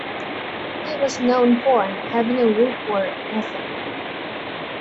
He was known for having a good work ethic.